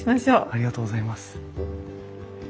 ありがとうございます。